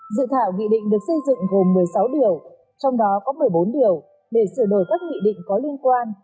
dự thảo nghị định được xây dựng gồm một mươi sáu điều trong đó có một mươi bốn điều để sửa đổi các nghị định có liên quan